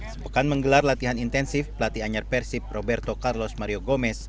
sepekan menggelar latihan intensif pelatih anyar persib roberto carlos mario gomez